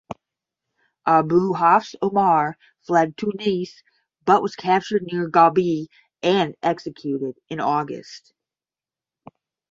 Abu Hafs Umar fled Tunis but was captured near Gabes and executed in August.